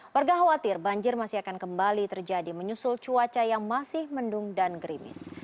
warga khawatir banjir masih akan kembali terjadi menyusul cuaca yang masih mendung dan gerimis